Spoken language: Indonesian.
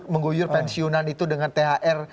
mengguyur pensiunan itu dengan thr